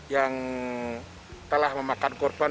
yang telah memakan korban